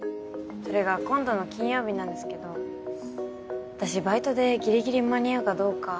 それが今度の金曜日なんですけど私バイトでギリギリ間に合うかどうか。